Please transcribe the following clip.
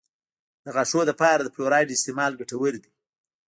د غاښونو لپاره د فلورایډ استعمال ګټور دی.